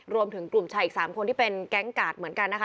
รวมถึงกลุ่มชายอีก๓คนที่เป็นแก๊งกาดเหมือนกันนะคะ